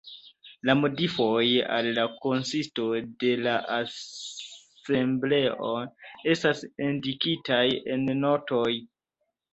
La modifoj al la konsisto de la Asembleo estas indikitaj en notoj.